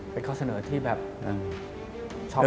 เป็นข้อเสนอที่แบบชอบ